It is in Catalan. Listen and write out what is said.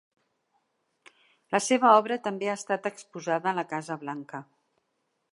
La seva obra també ha estat exposada a la Casa Blanca.